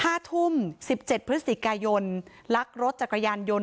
ห้าทุ่มสิบเจ็ดพฤศจิกายนลักรถจักรยานยนต์